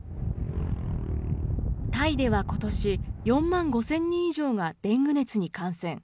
タイではことし、４万５０００人以上がデング熱に感染。